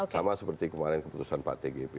sama seperti kemarin keputusan pak tgp